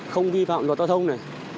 không vi phạm luật giao thông này